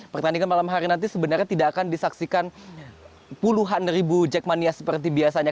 pertandingan malam hari nanti sebenarnya tidak akan disaksikan puluhan ribu jackmania seperti biasanya